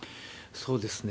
そうですね。